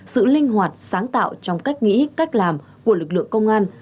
sự linh hoạt sáng tạo trong cách nghĩ cách làm của lực lượng công an